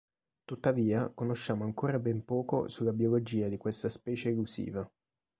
Tuttavia, conosciamo ancora ben poco sulla biologia di questa specie elusiva.